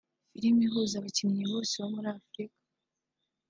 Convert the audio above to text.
filime ihuza abakinnyi bose bo muri Afurika